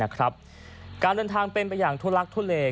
การทางมันเป็นประอย่างทุลลักษณ์ทุลเล